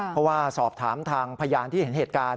เพราะว่าสอบถามทางพยานที่เห็นเหตุการณ์